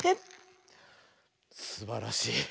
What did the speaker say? すばらしい。